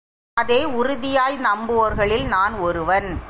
அதை உறுதியாய் நம்புவோர்களில் நான் ஒருவன்.